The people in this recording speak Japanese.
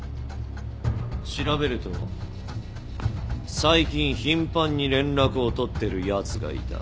調べると最近頻繁に連絡を取ってるやつがいた。